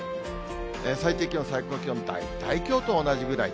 最低気温、最高気温、大体きょうと同じぐらい。